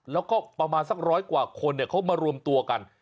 แล้วก็ประมาณสักร้อยกว่าคนเขามารวมตัวกัน